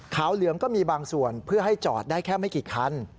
เหลืองก็มีบางส่วนเพื่อให้จอดได้แค่ไม่กี่คัน